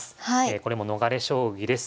これも逃れ将棋です。